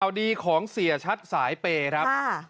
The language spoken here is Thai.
ดีของเสียชัดสายเปย์ครับ